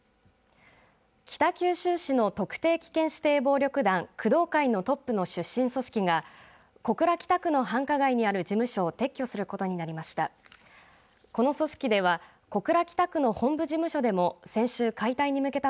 北九州市の特定危険指定暴力団工藤会のトップの出身組織が小倉北区の繁華街にある事務所を撤去することになりました。